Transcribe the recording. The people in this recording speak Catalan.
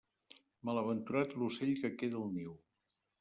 Malaventurat l'ocell que queda al niu.